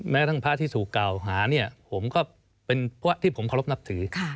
แม้ทั้งพระที่ถูกกล่าวหาเนี่ยผมก็เป็นเพราะที่ผมเคารพนับถือ